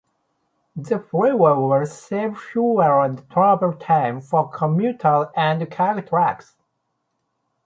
The freeway will save fuel and travel time for commuters and cargo trucks.